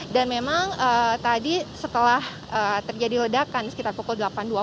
dan memang tadi setelah terjadi ledakan sekitar pukul delapan dua puluh